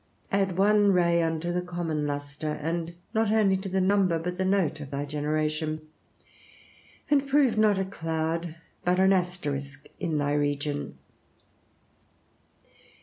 Add one ray unto the common lustre; add not only to the number, but the note of thy generation; and prove not a cloud, but an asterisk in thy region.